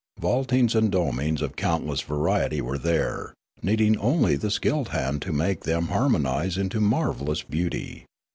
Vaultings and domings of countless variety were there, needing only the skilled hand to make them harmonise into marvellous beauty.